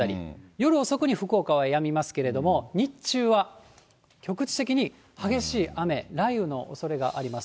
夜遅くに福岡はやみますけれども、日中は局地的に激しい雨、雷雨のおそれがあります。